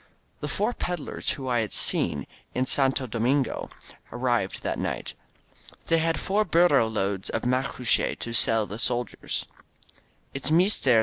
The four peddlers whom I had seen in Santo Do mingo arrived that night. They had four burro loads of macuche to sell the soldiers. "It's meester!"